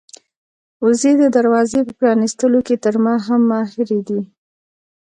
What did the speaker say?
وزې د دروازې په پرانيستلو کې تر ما هم ماهرې دي.